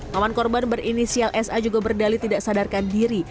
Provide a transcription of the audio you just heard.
paman korban berinisial sa juga berdali tidak sadarkan diri